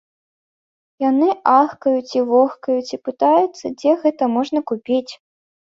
Яны ахкаюць і вохкаюць і пытаюцца, дзе гэта можна купіць.